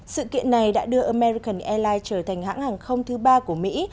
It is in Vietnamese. sự kiện này đã đưa american airlines trở thành hãng hàng không thứ ba của mỹ